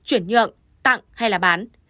chuyển nhượng tặng hay là bán